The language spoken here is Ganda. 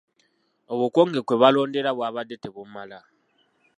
Obukonge kwe balondera bwabadde tebumala.